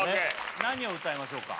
何を歌いましょうか？